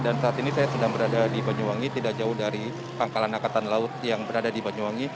dan saat ini saya sedang berada di banyuwangi tidak jauh dari angkalan angkatan laut yang berada di banyuwangi